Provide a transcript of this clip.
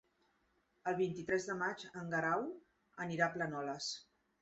El vint-i-tres de maig en Guerau anirà a Planoles.